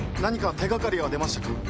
手掛かりは出ましたか？